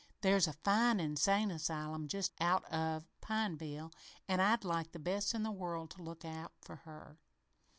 there's a fine insane asylum just out of Pineville, an' I'd like the best in the world to look out for her.